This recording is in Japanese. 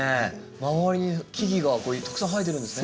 周りに木々がたくさん生えてるんですね。